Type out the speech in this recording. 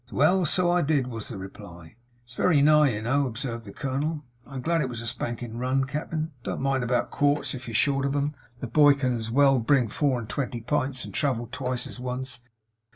'Well, so I did,' was the reply. 'It's very nigh, you know,' observed the colonel. 'I'm glad it was a spanking run, cap'en. Don't mind about quarts if you're short of 'em. The boy can as well bring four and twenty pints, and travel twice as once.